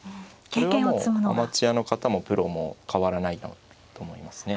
これはもうアマチュアの方もプロも変わらないと思いますね。